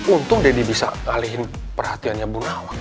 untung deddy bisa ngalihin perhatiannya bu nawang